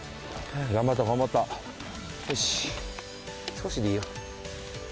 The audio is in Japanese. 少しでいいよ。